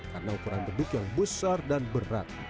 karena ukuran beduk yang besar dan berat